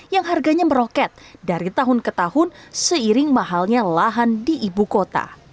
yang harganya meroket dari tahun ke tahun seiring mahalnya lahan di ibu kota